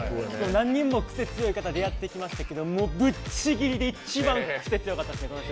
何人のクセ強い方出会ってきましたけど、ぶっちぎりでクセ強かったです。